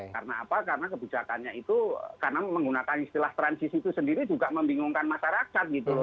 karena apa karena kebijakannya itu karena menggunakan istilah transisi itu sendiri juga membingungkan masyarakat gitu loh